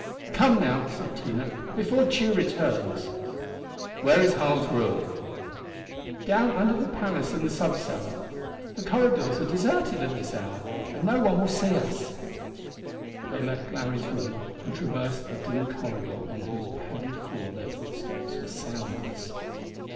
"Come now," said Tina, "before Tugh returns." "Where is Harl's room?" "Down under the palace in the sub cellar. The corridors are deserted at this hour, and no one will see us." They left Larry's room and traversed a dim corridor on whose padded floor their footsteps were soundless.